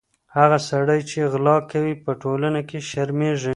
هغه سړی چې غلا کوي، په ټولنه کې شرمېږي.